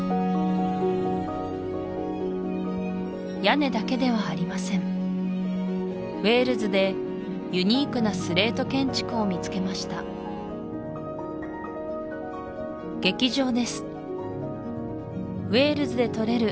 屋根だけではありませんウェールズでユニークなスレート建築を見つけました劇場ですウェールズで採れる